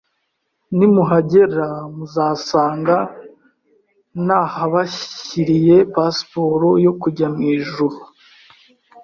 nimuhagera muzasanga nahabashyiriye Pasiporo yo kujya mu ijuru